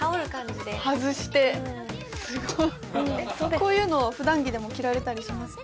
こういうのを普段着でも着られたりしますか？